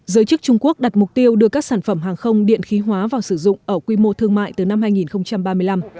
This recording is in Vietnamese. giới chức trung quốc đặt mục tiêu đưa các sản phẩm hàng không điện khí hóa vào sử dụng ở quy mô thương mại từ năm hai nghìn ba mươi năm